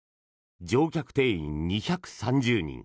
乗客定員２３０人。